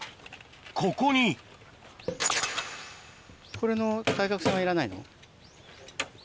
ここにこれの対角線はいらないの？